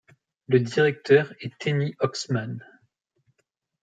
Le directeur est Henni Oksman.